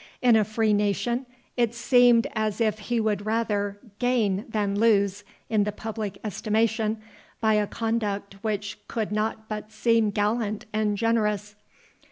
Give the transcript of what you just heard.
In a free nation, it seemed as if he would rather gain than lose in the public estimation by a conduct which could not but seem gallant and generous.